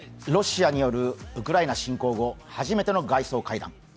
ロシアによるウクライナ侵攻後、初めての外相会談。